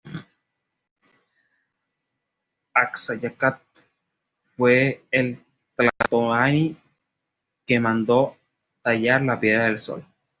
Axayácatl fue el tlatoani que mandó tallar la Piedra del Sol.